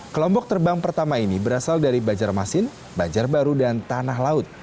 kelompok terbang pertama ini berasal dari banjarmasin banjarbaru dan tanah laut